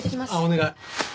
お願い。